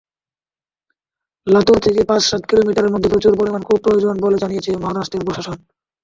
লাতুর থেকে পাঁচ-সাত কিলোমিটারের মধ্যে প্রচুর পরিমাণ কূপ প্রয়োজন বলে জানিয়েছে মহারাষ্ট্রের প্রশাসন।